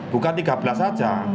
bukan tiga belas saja